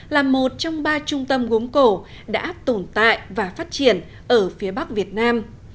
là một trong ba trung tâm gốm cổ đã tồn tại và phát triển ở phía bắc việt nam